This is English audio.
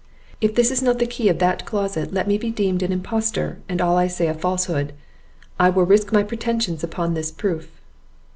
"If this is not the key of that closet, let me be deemed an impostor, and all I say a falsehood; I will risk my pretensions upon this proof."